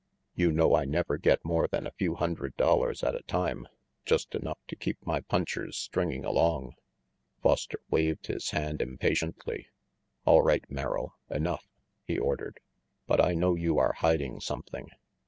You know I never get more than a few hundred dollars at a time, just enough to keep my punchers stringing along ' Foster waved his hand impatiently. "All right, Merrill, enough," he ordered, "but I know you are hiding something.